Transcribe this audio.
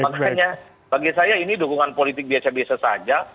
makanya bagi saya ini dukungan politik biasa biasa saja